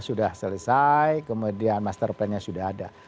sudah selesai kemudian master plannya sudah ada